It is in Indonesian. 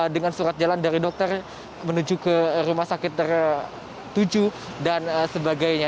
dengan surat jalan dari dokter menuju ke rumah sakit tertuju dan sebagainya